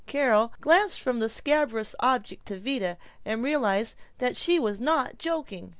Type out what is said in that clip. Carol glanced from the scabrous object to Vida, and realized that she was not joking.